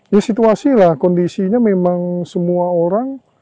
ya situasi lah kondisinya memang semua orang